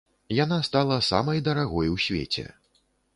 Яна стала самай дарагой у свеце.